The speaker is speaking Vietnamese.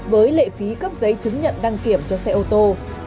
với lệ phí cấp giấy chứng nhận đăng kiểm cho xe ô tô